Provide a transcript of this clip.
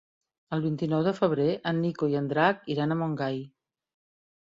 El vint-i-nou de febrer en Nico i en Drac iran a Montgai.